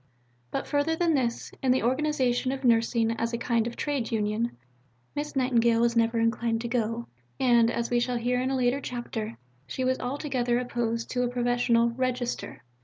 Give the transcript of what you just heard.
But further than this, in the organization of nursing as a kind of trade union, Miss Nightingale was never inclined to go, and, as we shall hear in a later chapter, she was altogether opposed to a professional "register."